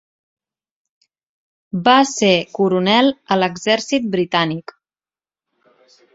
Va ser coronel a l'exèrcit britànic.